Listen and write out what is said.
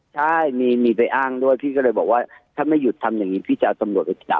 ใช่มีไปอ้างด้วยพี่ก็เลยบอกว่าถ้าไม่หยุดทำอย่างนี้พี่จะเอาตำรวจไปจับ